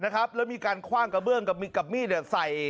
และมีการขว้างกระเบื่องและกับมีดสาย